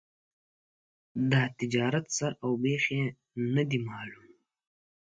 د تجارت سر او بېخ یې نه دي معلوم.